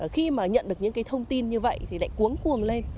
khi mà nhận được những cái thông tin như vậy thì lại cuốn cuồng lên